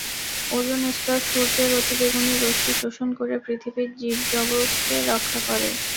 Ozone স্তর সূর্যের অতিবেগুনি রশ্মি শোষণ করে পৃথিবীর জীবজগেক রক্ষা করে।